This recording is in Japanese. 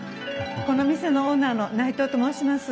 この店のオーナーの内藤と申します。